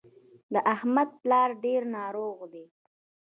د احمد پلار ډېر ناروغ دی.